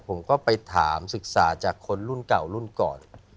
ผมก็ไปถามศึกษาจากคนรุ่นเก่ารุ่นก่อน